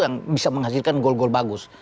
yang bisa menghasilkan gol gol bagus